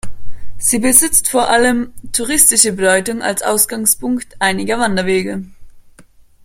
Sie besitzt vor allem touristische Bedeutung als Ausgangspunkt einiger Wanderwege.